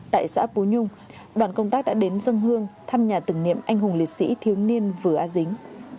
tại xã pú nhung đoàn công tác đã đến dân hương thăm nhà tưởng niệm anh hùng liệt sĩ thiếu niên vừa a dính